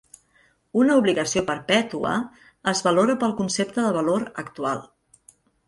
Una obligació perpètua es valora pel concepte de Valor actual.